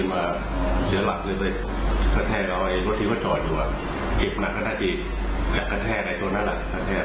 ออกมาจัดได้นอนคดีอย่างนี้ผมไม่จำเป็นตอบหวายเรื่องแหละครับ